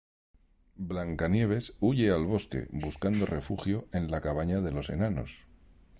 Blanca Nieves huye al bosque, buscando refugio en la cabaña de los enanos.